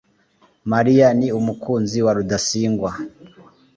mariya ni umukunzi wa rudasingwa (nero